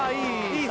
いい